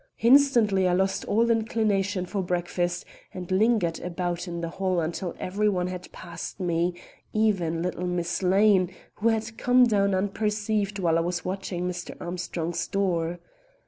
Instantly I lost all inclination for breakfast and lingered about in the hall until every one had passed me, even little Miss Lane, who had come down unperceived while I was watching Mr. Armstrong's door.